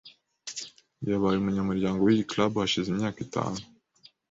Yabaye umunyamuryango wiyi club hashize imyaka itanu .